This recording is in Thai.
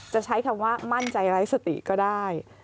ใช้คำว่ามั่นใจไร้สติก็ได้